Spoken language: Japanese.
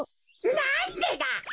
なんでだ？